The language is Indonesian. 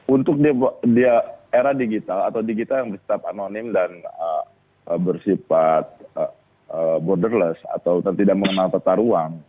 untuk di era digital atau digital yang tetap anonim dan bersifat borderless atau tidak mengenal tata ruang